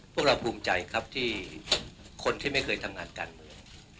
พวกเราภูมิใจครับที่คนที่ไม่เคยทำงานการเมือง